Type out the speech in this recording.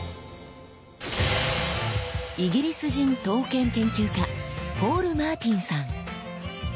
イギリス人刀剣研究家ポール・マーティンさん。